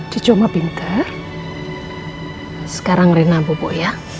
jujur sama pinter sekarang reina bubu ya